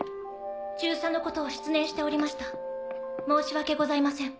中佐のことを失念しておりました申し訳ございません。